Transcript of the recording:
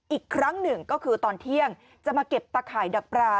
อีกครั้งหนึ่งก็คือตอนเที่ยงจะมาเก็บตะข่ายดักปลา